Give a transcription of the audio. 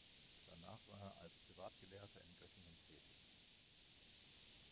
Danach war er als Privatgelehrter in Göttingen tätig.